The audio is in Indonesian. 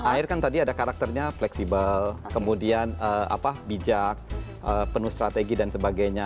air kan tadi ada karakternya fleksibel kemudian bijak penuh strategi dan sebagainya